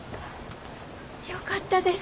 よかったです。